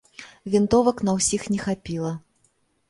Вінтовак на ўсіх не хапіла.